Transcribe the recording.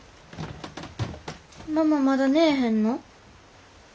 ママまだ寝ぇへんの？